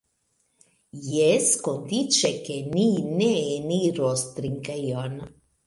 Jes, kondiĉe, ke ni ne eniros trinkejon.